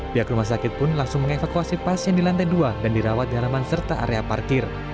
pihak rumah sakit pun langsung mengevakuasi pasien di lantai dua dan dirawat di halaman serta area parkir